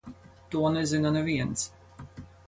To nezina neviens.